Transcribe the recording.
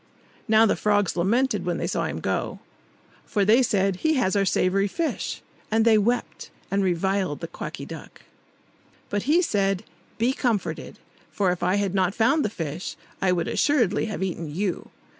Now the frogs lamented when they saw him go, for they said, "He has our savoury fish!" And they wept, and reviled the Quacky Duck. But he said, "Be comforted! for if I had not found the fish, I should assuredly have eaten you.